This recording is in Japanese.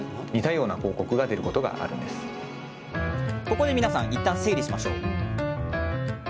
ここで皆さんいったん整理します。